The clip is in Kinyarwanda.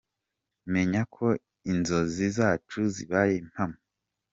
Menya ko inzozi zacu zibaye impamo.